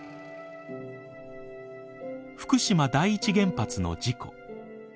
福島第一原発の事故。